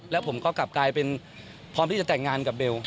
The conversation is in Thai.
แล้วผมก็กลับกลายเป็นพร้อมที่จะแต่งงานกับเบล